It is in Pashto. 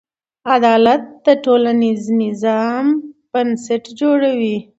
عدالت د ټولنیز نظم بنسټ جوړوي.